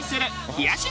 冷やし